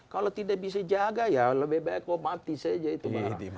kalau tidak bisa jaga ya lebih baik mau mati saja itu